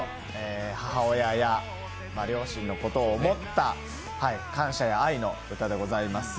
母親や両親のことを思った感謝や愛の歌でございます。